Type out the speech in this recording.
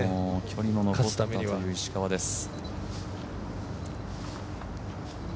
距離も残ったという石川です。